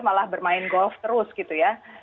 malah bermain golf terus gitu ya